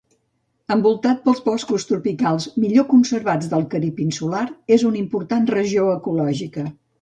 Envoltat pels boscos tropicals millor conservats del Carib insular, és una important regió ecològica.